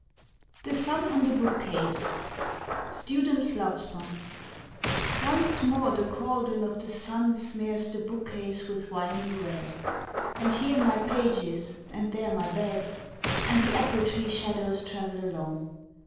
THE SUN ON THE BOOKCASE (Student's Love song) ONCE more the cauldron of the sun Smears the bookcase with winy red, And here my page is, and there my bed, And the apple tree shadows travel along.